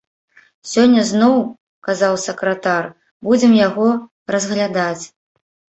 Сёння зноў, казаў сакратар, будзем яго разглядаць.